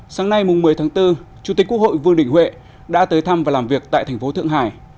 sáng nay một mươi tháng bốn chủ tịch quốc hội vương đình huệ đã tới thăm và làm việc tại thành phố thượng hải